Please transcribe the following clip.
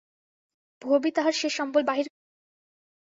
ভবি তাহার শেষ সম্বল বাহির করিয়া দিল।